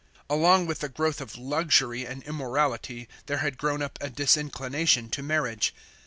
Along with the growth of luxury and immorality there had grown up a disinclination to marriage.